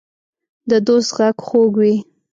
د دوست غږ خوږ وي.